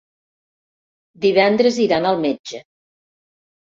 Divendres iran al metge.